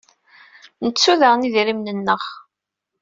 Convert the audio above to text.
Nettu daɣen idrimen-nneɣ.